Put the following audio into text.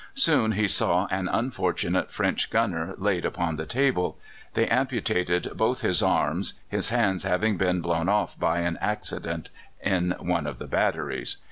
Soon he saw an unfortunate French gunner laid upon the table. They amputated both his arms, his hands having been blown off by an accident in one of the batteries.